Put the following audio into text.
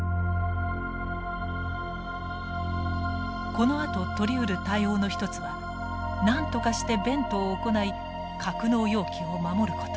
このあと取りうる対応の一つはなんとかしてベントを行い格納容器を守ること。